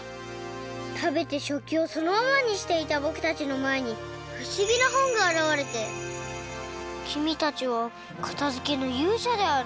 たべてしょっきをそのままにしていたぼくたちのまえにふしぎなほんがあらわれて「きみたちはかたづけのゆうしゃである」。